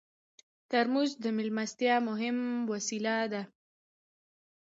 ترموز د میلمستیا مهم وسیله ده.